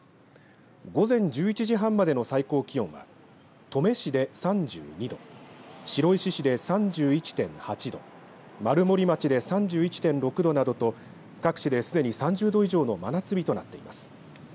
午前１１時半までの最高気温は登米市で３２度白石市で３１．８度丸森町で３１．６度などと各地ですでに３０度以上の真夏日になっています。